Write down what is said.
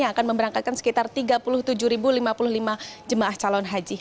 yang akan memberangkatkan sekitar tiga puluh tujuh lima puluh lima jemaah calon haji